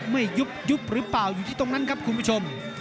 ไม่ยุบหรือเปล่าอยู่ที่ตรงนั้นครับคุณผู้ชม